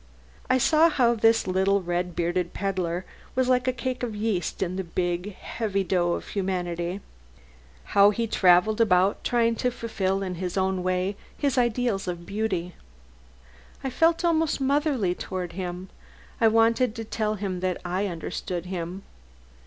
I saw how this little, red bearded pedlar was like a cake of yeast in the big, heavy dough of humanity: how he travelled about trying to fulfil in his own way his ideals of beauty. I felt almost motherly toward him: I wanted to tell him that I understood him.